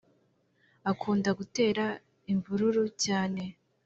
akunda gutera imvururu cyane